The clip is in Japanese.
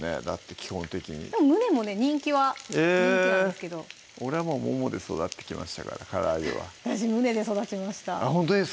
基本的に胸もね人気は人気なんですけど俺ももで育ってきましたからからあげは私胸で育ちましたほんとですか